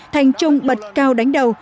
thành trung bật cao đánh đầu